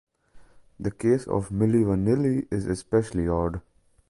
The case of Milli Vanilli is especially odd.